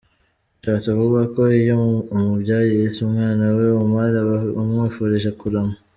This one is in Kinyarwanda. Bishatse kuvuga ko iyo umubyeyi yise umwana we Omar aba amwifurije kurama.